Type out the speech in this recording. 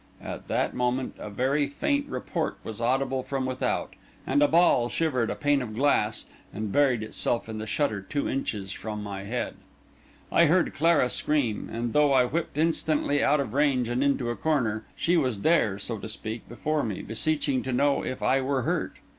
At that moment a very faint report was audible from without, and a ball shivered a pane of glass, and buried itself in the shutter two inches from my head. I heard Clara scream; and though I whipped instantly out of range and into a corner, she was there, so to speak, before me, beseeching to know if I were hurt.